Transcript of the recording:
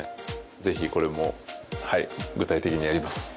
ぜひ、これも具体的にやります。